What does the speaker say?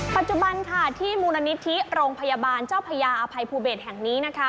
ปัจจุบันที่มูลนิธิโรงพยาบาลเจ้าพญาอภัยภูเบศแห่งนี้